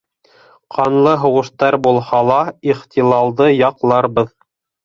Ҡанлы һуғыштар булһа ла, ихтилалды яҡларбыҙ.